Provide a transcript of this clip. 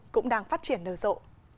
cũng đang phát triển nở rộ